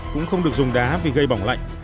cũng không được dùng đá vì gây bỏng lạnh